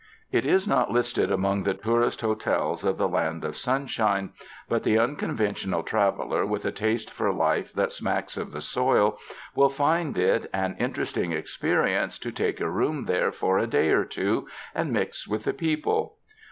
It is not listed among the tourist hotels of the Land of Sunshine, but the unconventional traveler with a taste for life that smacks of the soil, will find it an interesting experience to take a room there for a day or two, and mix with the people.